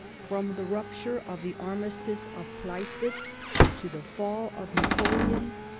FROM THE EUPTURE OF THE ARMISTICE OF PLEISWITZ TO THE FALL OF NAPOLEON.